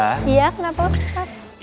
iya kenapa ustadzah